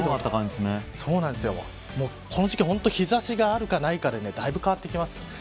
この時期本当に日差しがあるかないかでだいぶ変わってきます。